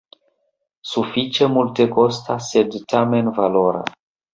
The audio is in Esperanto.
Sufiĉe multekosta sed tamen valora.